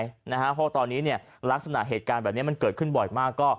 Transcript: เพราะว่าตอนนี้ลักษณะเหตุการณ์แบบนี้มันเกิดขึ้นบ่อยมาก